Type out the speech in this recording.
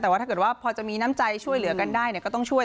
แต่ว่าถ้าเกิดว่าพอจะมีน้ำใจช่วยเหลือกันได้ก็ต้องช่วย